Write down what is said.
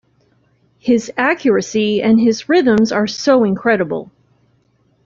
His accuracy and his rhythms are so incredible.